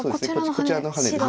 こちらのハネです。